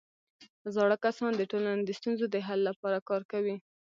زاړه کسان د ټولنې د ستونزو د حل لپاره کار کوي